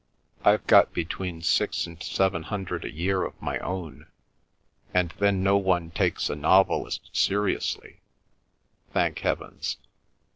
"I've got between six and seven hundred a year of my own. And then no one takes a novelist seriously, thank heavens.